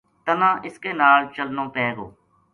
تَنا اس کے نال چلنو پے گو “